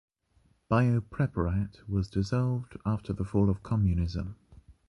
Biopreparat was dissolved after the fall of communism.